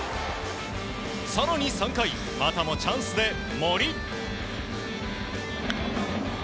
更に３回、またもチャンスで森。